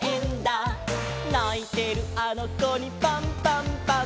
「ないてるあのこにパンパンパン！！」